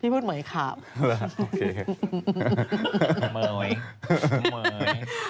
พี่พูดเหม๋ยขาบโอเค